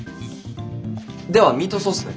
ではミートソースで。